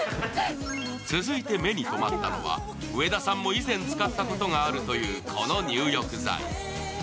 続いて目に止まったのは、上田さんも以前使ったことがあるというこの入浴剤。